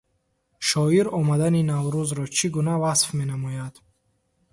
Шоир омадани Наврӯзро чӣ гуна васф менамояд?